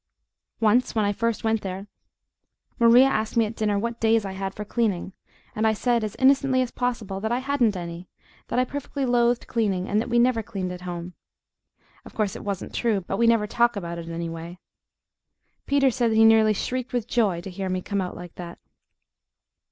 Once, when I first went there, Maria asked me at dinner what days I had for cleaning. And I said, as innocently as possible, that I hadn't any; that I perfectly loathed cleaning, and that we never cleaned at home! Of course it wasn't true, but we never talk about it, anyway. Peter said he nearly shrieked with joy to hear me come out like that.